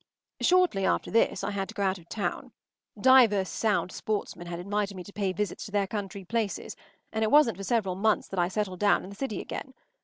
Shortly after this I had to go out of town. Divers sound sportsmen had invited me to pay visits to their country places, and it wasn’t for several months that I settled down in the city again.